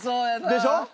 でしょ？